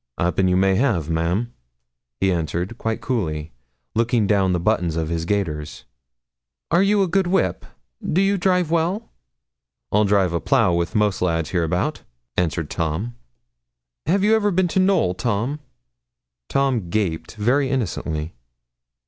''Appen you may have, ma'am,' he answered, quite coolly, looking down the buttons of his gaiters. 'Are you a good whip do you drive well?' 'I'll drive a plough wi' most lads hereabout,' answered Tom. 'Have you ever been to Knowl, Tom?' Tom gaped very innocently.